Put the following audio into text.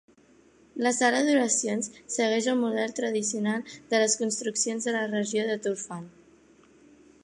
La sala d'oracions segueix el model tradicional de les construccions de la regió de Turfan.